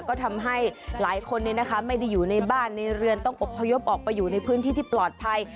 ก็ทำให้หลายคนไม่ได้อยู่ในบ้านในเรือนต้องอบพยพออกไปอยู่ในพื้นที่ที่ปลอดภัย